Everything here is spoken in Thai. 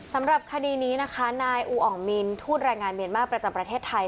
สำหรับคดีนี้นะคะนายอูอ่องมินทูตแรงงานเมียนมาร์ประจำประเทศไทย